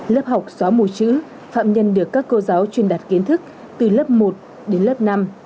lớp học xóa mù chữ phạm nhân được các cô giáo truyền đạt kiến thức từ lớp một đến lớp năm